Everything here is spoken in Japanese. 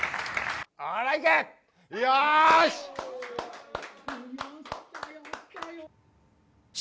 よし！